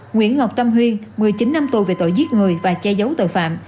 nguyễn ngọc tâm huyên một mươi chín năm tù về tội giết người và che giấu tội phạm